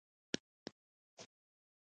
لوېديځوالو د خدای په اړه تصور، په بله اړولی دی.